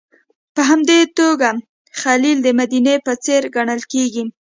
په همدې توګه الخلیل د مدینې په څېر ګڼل کېږي.